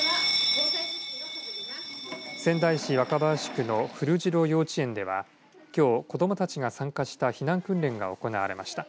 仙台市若林区の古城幼稚園ではきょう、子どもたちが参加した避難訓練が行われました。